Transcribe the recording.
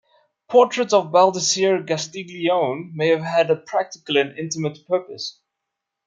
"Portrait of Baldassare Castiglione" may have had a practical and intimate purpose.